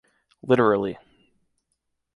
Literally.